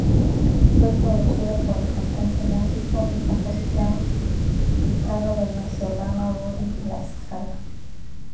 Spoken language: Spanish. Fue producido por el cantante, músico y compositor italo-venezolano Rudy La Scala.